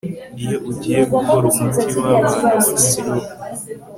iyo ugiye gukora umuti w'abana wa syrop